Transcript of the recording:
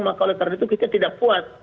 maka oleh karena itu kita tidak puas